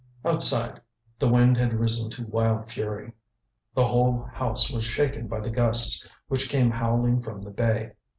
Outside the wind had risen to wild fury. The whole house was shaken by the gusts which came howling from the bay.